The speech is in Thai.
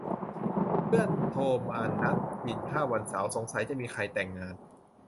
เพื่อนโทรมานัดกินข้าววันเสาร์ สงสัยจะมีใครแต่งงาน